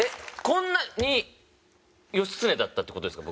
こんなに義経だったって事ですか？